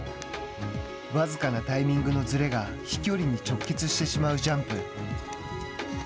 僅かなタイミングのずれが飛距離に直結してしまうジャンプ。